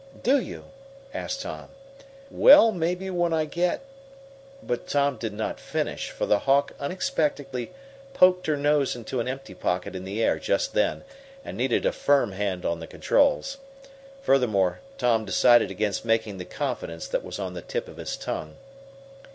"Do you?" asked Tom. "Well, maybe, when I get " But Tom did not finish, for the Hawk unexpectedly poked her nose into an empty pocket in the air just then, and needed a firm hand on the controls. Furthermore, Tom decided against making the confidence that was on the tip of his tongue.